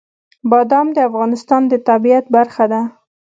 بادام د افغانستان د طبیعت برخه ده.